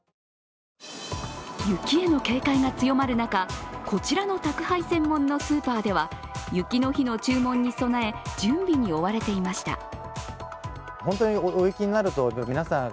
雪への警戒が強まる中、こちらの宅配専門のスーパーでは雪の日の注文に備え、準備に追われていました。